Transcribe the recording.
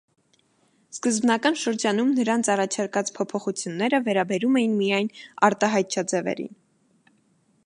Սկզբնական շրջանում նրանց առաջարկած փոփոխությունները վերաբերում էին միայն արտահայտչաձևերին։